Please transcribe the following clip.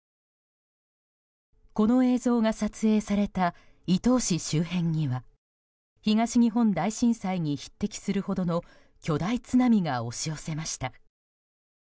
この映像が撮影された伊東市周辺には東日本大震災に匹敵するほどの巨大津波が押し寄せました。